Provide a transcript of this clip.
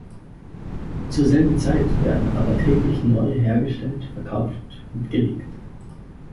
Zur selben Zeit werden aber täglich neue hergestellt, verkauft und gelegt.